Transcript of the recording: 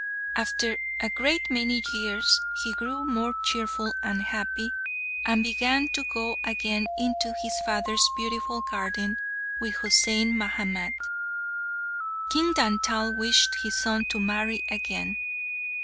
After a great many years he grew more cheerful and happy, and began to go again into his father's beautiful garden with Husain Mahamat. King Dantal wished his son to marry again.